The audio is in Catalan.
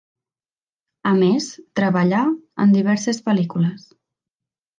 A més, treballà, en diverses pel·lícules.